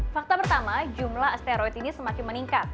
fakta pertama jumlah asteroid ini semakin meningkat